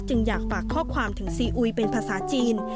อยากฝากข้อความถึงซีอุยเป็นภาษาจีน